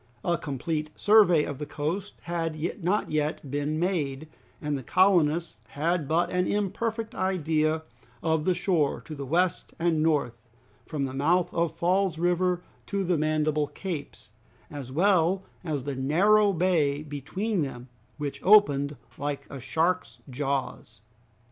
A complete survey of the coast had not yet been made, and the colonists had but an imperfect idea of the shore to the west and north, from the mouth of Falls River to the Mandible Capes, as well as of the narrow bay between them, which opened like a shark's jaws.